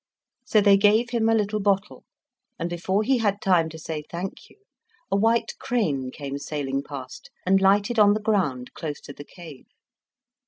So they gave him a little bottle; and before he had time to say "Thank you!" a white crane came sailing past, and lighted on the ground close to the cave.